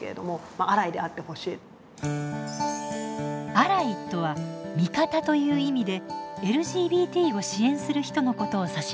「アライ」とは「味方」という意味でＬＧＢＴを支援する人のことを指します。